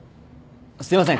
すいません。